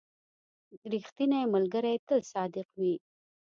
• ریښتینی ملګری تل صادق وي.